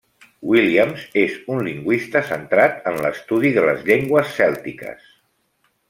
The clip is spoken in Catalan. Williams, és un lingüista centrat en l'estudi de les llengües cèltiques.